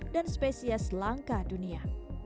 dan spesies langka dunia